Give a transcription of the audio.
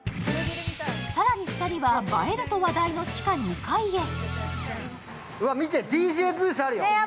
更に２人は、映えると話題の地下２階へ。